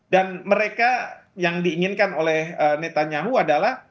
dan mereka yang diinginkan oleh netanyahu adalah